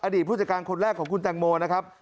ผู้จัดการคนแรกของคุณแตงโมนะครับ